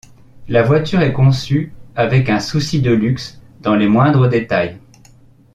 La voiture est conçue avec un souci de luxe dans les moindres détails.